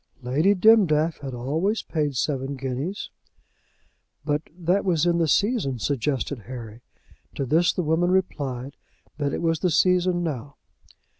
Lady Dimdaff had always paid seven guineas. "But that was in the season," suggested Harry. To this the woman replied that it was the season now.